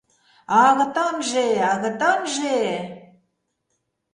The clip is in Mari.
А агытанже, агытанже!